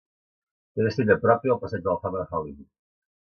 Té una estrella pròpia al Passeig de la Fama de Hollywood.